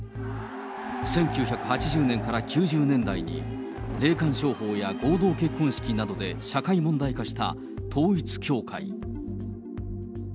１９８０年から９０年代に、霊感商法や合同結婚式などで社会問題化した統一教会。